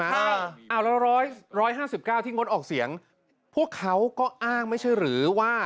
แล้ว๑๕๙ที่งดออกเสียงพวกเขาก็อ้างไม่ใช่หรือว่า